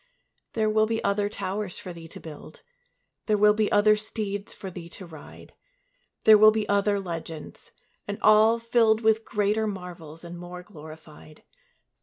There will be other towers for thee to build; There will be other steeds for thee to ride; There will be other legends, and all filled With greater marvels and more glorified.